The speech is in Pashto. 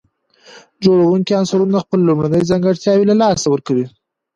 جوړونکي عنصرونه خپل لومړني ځانګړتياوي له لاسه ورکوي.